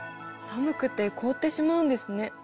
寒くて凍ってしまうんですね。